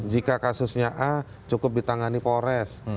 jika kasusnya a cukup ditangani polres